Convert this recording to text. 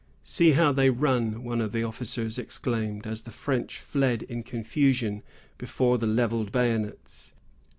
"See how they run," one of the officers exclaimed, as the French fled in confusion before the levelled bayonets.